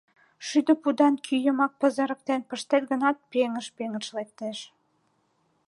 Шӱдӧ пудан кӱ йымак пызырыктен пыштет гынат, пеҥыж-пеҥыж лектеш.